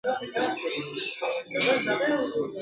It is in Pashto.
او څه کم دوه زره کورونه پکښی تباه سول ..